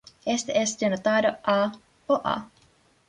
Este es denotado "A" o "A".